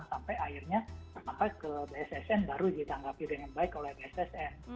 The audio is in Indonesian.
sampai akhirnya ke bssn baru ditanggapi dengan baik oleh bssn